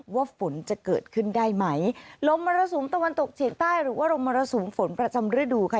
ฝนจะเกิดขึ้นได้ไหมลมมรสุมตะวันตกเฉียงใต้หรือว่าลมมรสุมฝนประจำฤดูค่ะ